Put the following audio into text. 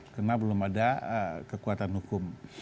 karena belum ada kekuatan hukum